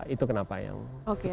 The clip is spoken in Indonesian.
itu kenapa yang cukup